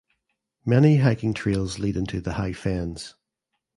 Many hiking trails lead into the High Fens.